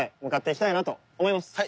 向かっていきたいなと思います。